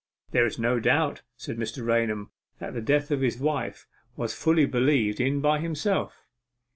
'There is no doubt,' said Mr. Raunham, 'that the death of his wife was fully believed in by himself.